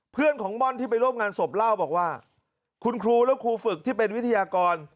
เพื่อนของม่อนที่ไปร่วมงานศพเล่าบอกว่าคุณครูและครูฝึกที่เป็นวิทยากร